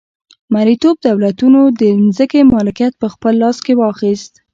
مرئیتوب دولتونو د ځمکې مالکیت په خپل لاس کې واخیست.